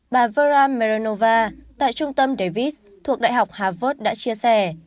bà vera merinova tại trung tâm davis thuộc đại học harvard đã chia sẻ